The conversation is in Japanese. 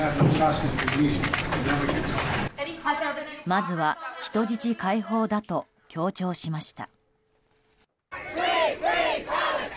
まずは人質解放だと強調しました。